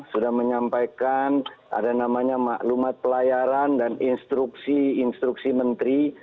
sudah menyampaikan ada namanya maklumat pelayaran dan instruksi instruksi menteri